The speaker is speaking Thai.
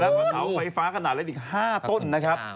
แล้วก็เสาไฟฟ้าขนาดเล็กอีก๕ต้นนะครับ